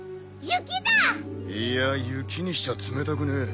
雪にしちゃ冷たくねえ。